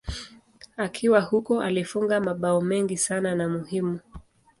Akiwa huko alifunga mabao mengi sana na muhimu.